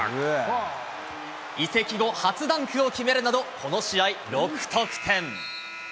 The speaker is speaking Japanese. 移籍後初ダンクを決めるなど、この試合、６得点。